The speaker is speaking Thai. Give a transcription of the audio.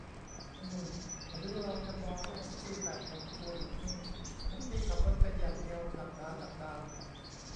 อืม หรือเราจะมองแท็กซี่แบบแข็งตัว หยุดนิ่ง แท็กซี่ขับรถเป็นอย่างเดียว ดักดาน ดักดาน ?